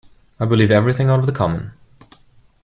I believe everything out of the common.